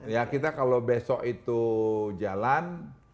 ya kita kalau besok itu jalan